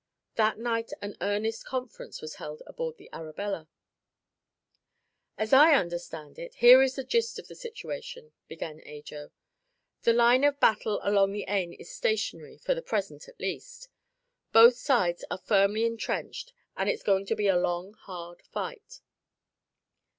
That night an earnest conference was held aboard the Arabella. "As I understand it, here is the gist of the situation," began Ajo. "The line of battle along the Aisne is stationary for the present, at least. Both sides are firmly entrenched and it's going to be a long, hard fight.